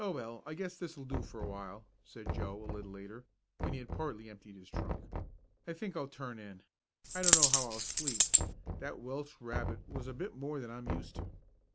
"Oh, well, I guess this'll do for a while," said Joe a little later, when he had partly emptied his trunk. "I think I'll turn in. I don't know how I'll sleep that Welsh rabbit was a bit more than I'm used to.